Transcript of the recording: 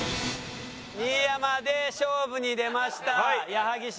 新山で勝負に出ました矢作舎。